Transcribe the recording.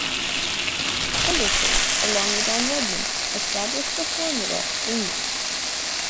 Henderson, along with Don Redman, established the formula for swing music.